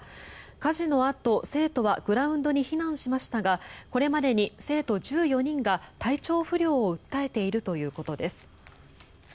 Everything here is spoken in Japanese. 火事のあと生徒はグラウンドに避難しましたがこれまでに生徒１４人が体調不良を訴えているということです。